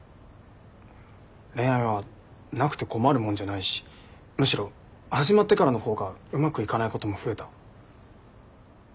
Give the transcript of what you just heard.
恋愛はなくて困るもんじゃないしむしろ始まってからの方がうまくいかないことも増えた。